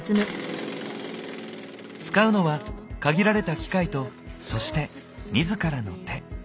使うのは限られた機械とそして自らの手。